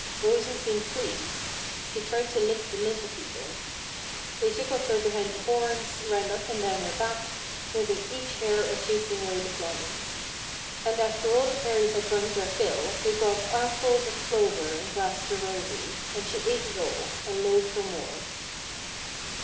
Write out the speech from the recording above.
Rosy seemed pleased. She tried to lick the Little People. They tickled her behind the horns, ran up and down her back, smoothing each hair or chasing away the flies. And after all the Fairies had drunk their fill, they brought armfuls of clover and grass to Rosy; and she ate it all, and lowed for more.